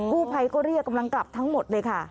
กู้ภัยก็เรียกกำลังกลับทั้งหมดเลยค่ะ